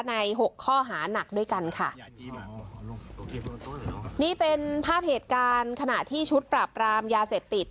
หกข้อหานักด้วยกันค่ะนี่เป็นภาพเหตุการณ์ขณะที่ชุดปราบรามยาเสพติด